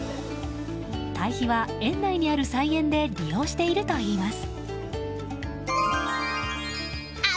堆肥は、園内にある菜園で利用しているといいます。